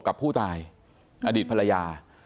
กับผู้ตายอดีตภรรยา